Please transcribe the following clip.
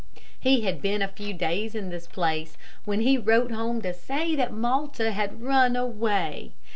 He had been a few days in this place, when he wrote home to say that Malta had run away.